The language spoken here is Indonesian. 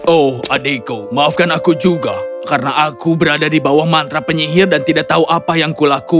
oh adikku maafkan aku juga karena aku berada di bawah mantra penyihir dan tidak tahu apa yang kulakukan